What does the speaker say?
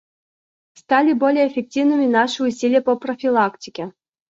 Стали более эффективными наши усилия по профилактике.